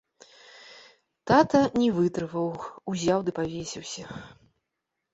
Тата не вытрываў, узяў ды павесіўся.